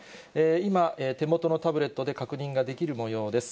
今、手元のタブレットで確認ができるもようです。